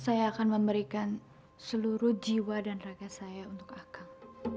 saya akan memberikan seluruh jiwa dan raga saya untuk akab